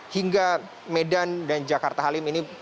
hingga medan dan jakarta halim ini